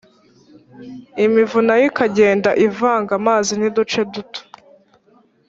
, imivu nayo ikagenda ivanga amazi n’uduce duto